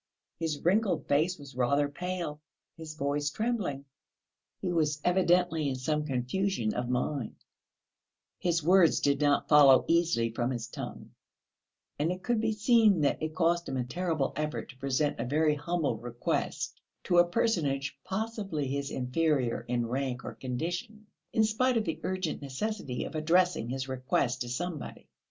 His wrinkled face was rather pale, his voice was trembling. He was evidently in some confusion of mind, his words did not flow easily from his tongue, and it could be seen that it cost him a terrible effort to present a very humble request to a personage possibly his inferior in rank or condition, in spite of the urgent necessity of addressing his request to somebody.